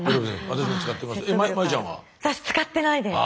私使ってないです。